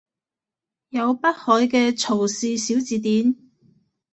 有北海嘅曹氏小字典